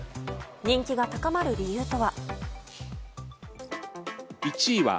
人気が高まる理由とは？